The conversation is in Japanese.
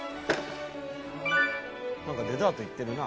なんかデザート行ってるな。